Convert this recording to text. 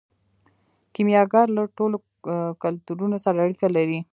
کیمیاګر له ټولو کلتورونو سره اړیکه لري.